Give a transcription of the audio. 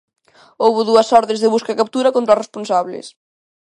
Houbo dúas ordes de busca e captura contra os responsables.